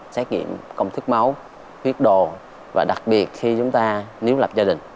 xét nghiệm công thức máu huyết đồ và đặc biệt khi chúng ta nếu lập gia đình